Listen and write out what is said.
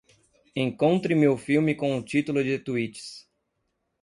Encontre-me o filme com o título de Twitches